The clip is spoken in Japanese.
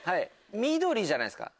緑じゃないですか。